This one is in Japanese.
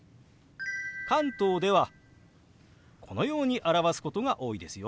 関東ではこのように表すことが多いですよ。